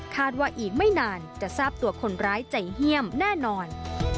ว่าอีกไม่นานจะทราบตัวคนร้ายใจเฮี่ยมแน่นอน